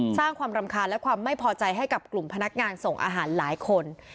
สร้างความรำคาญและความไม่พอใจให้กับกลุ่มพนักงานส่งอาหารหลายคน